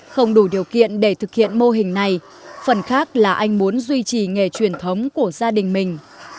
không đủ điều kiện để thực hiện mô hình này phần khác là anh muốn duy trì nghề truyền thống của gia đình mình